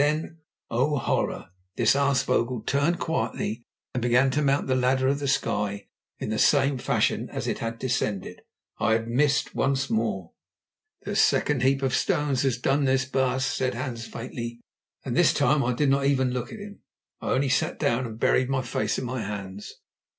Then—oh horror!—this aasvogel turned quietly, and began to mount the ladder of the sky in the same fashion as it had descended. I had missed once more. "The second heap of stones has done this, baas," said Hans faintly, and this time I did not even look at him. I only sat down and buried my face in my hands.